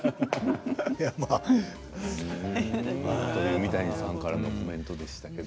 三谷さんからのコメントですけど。